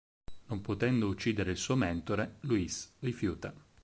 Non potendo uccidere il suo mentore, Luis rifiuta.